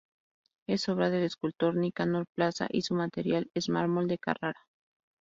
Es obra del escultor Nicanor Plaza y su material es mármol de Carrara.